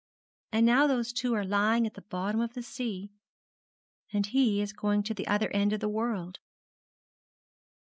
and now those two are lying at the bottom of the sea, and he is going to the other end of the world.'